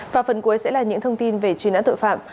và phần cuối sẽ là những thông tin về truy nã tội phạm